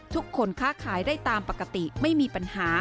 ค้าขายได้ตามปกติไม่มีปัญหา